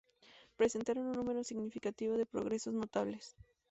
Patentaron un número significativo de progresos notables.